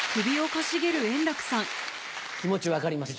気持ち分かります。